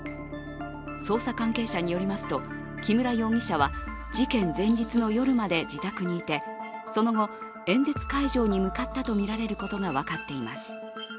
捜査関係者によりますと木村容疑者は事件前日の夜まで自宅にいて、その後演説会場に向かったとみられることが分かっています。